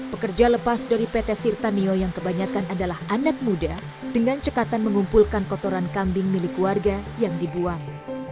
pekerja lepas dari pt sirtanio yang kebanyakan adalah anak muda dengan cekatan mengumpulkan kotoran kambing milik warga yang dibuang